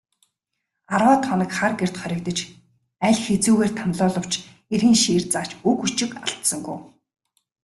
Арваад хоног хар гэрт хоригдож, аль хэцүүгээр тамлуулавч эрийн шийр зааж үг өчиг алдсангүй.